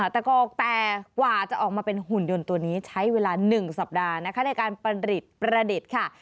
ตะกอกแต่กว่าจะออกมาเป็นหุ่นยนต์ตัวนี้ใช้เวลา๑สัปดาห์นะคะในการประดิษฐ์ค่ะ